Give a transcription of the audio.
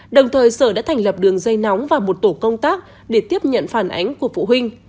đồng thời sở đã thành lập đường dây nóng và một tổ công tác để tiếp nhận phản ánh của phụ huynh